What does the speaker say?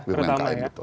umkm betul sekali